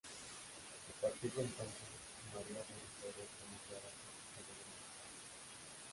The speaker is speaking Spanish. A partir de entonces, María de la Gloria fue nombrada princesa de Gran Pará.